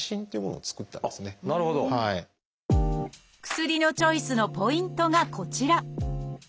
薬のチョイスのポイントがこちら。